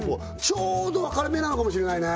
ちょうど分かれ目なのかもしれないね